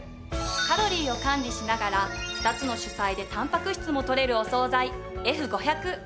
カロリーを管理しながら２つの主菜でたんぱく質もとれるお総菜Ｆ５００。